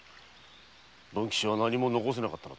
文吉は何も残せなかったのだ。